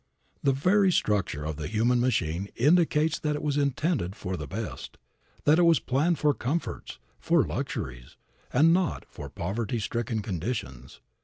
The very structure of the human machine indicates that it was intended for the best, that it was planned for comforts, for luxuries, and not for poverty stricken conditions.